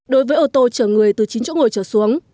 đối với ô tô chở người từ chín chỗ ngồi trở xuống